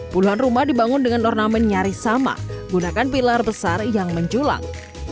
puluhan rumah dibangun dengan ornamen nyaris sama gunakan pilar besar yang menculang